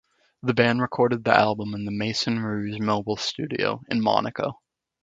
The band recorded the album in the Maison Rouge Mobile Studio, in Monaco.